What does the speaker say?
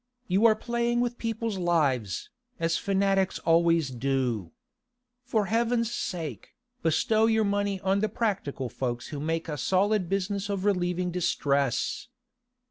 You are playing with people's lives, as fanatics always do. For Heaven's sake, bestow your money on the practical folks who make a solid business of relieving distress!